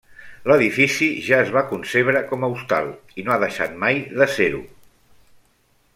L’edifici ja es va concebre com a Hostal i no ha deixat mai de ser-ho.